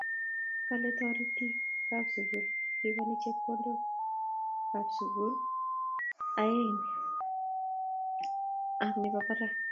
Kale toritiik ab sukul lipanun chepkondok ab sukul ab aeng ang nebo barak